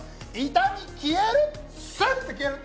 痛み消える、すっと消える。